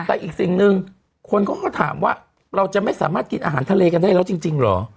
แต่อีกสิ่งหนึ่งคนเขาก็ถามว่าเราจะไม่สามารถกินอาหารทะเลกันได้แล้วจริงเหรอ